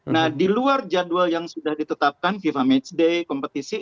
nah di luar jadwal yang sudah ditetapkan fifa matchday kompetisi